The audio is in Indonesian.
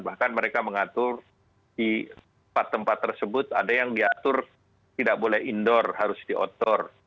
bahkan mereka mengatur di tempat tempat tersebut ada yang diatur tidak boleh indoor harus di outdoor